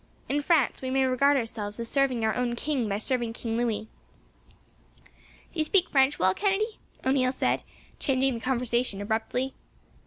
In France we may regard ourselves as serving our own king by serving King Louis." "Do you speak French well, Kennedy?" O'Neil said, changing the conversation abruptly.